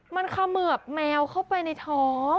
มันเขมือบแมวเข้าไปในท้อง